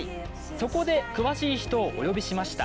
そこで詳しい人をお呼びしました。